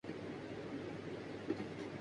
سلیم انارکلی کی محبت میں گرفتار تھا